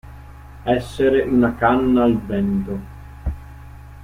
Essere una canna al vento.